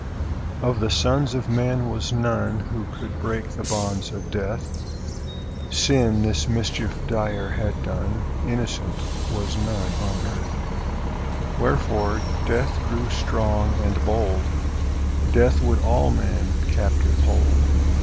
Of the sons of men was none Who could break the bonds of Death ; Sin this mischief dire had done ; Innocent was none on earth : Wherefore Death grew strong and bold ; Death would all men captive hold.